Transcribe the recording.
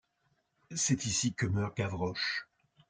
C'est ici que meurt Gavroche.